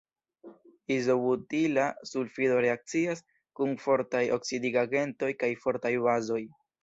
Izobutila sulfido reakcias kun fortaj oksidigagentoj kaj fortaj bazoj.